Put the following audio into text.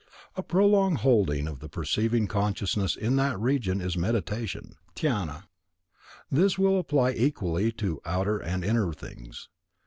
A prolonged holding of the perceiving consciousness in that region is meditation (dhyana). This will apply equally to outer and inner things.